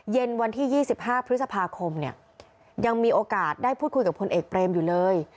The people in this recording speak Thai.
เย็นวันที่๒๕พฤษภาคมเนี่ยยังมีโอกาสได้พูดคุยกับพลเอกเปรมอยู่เลย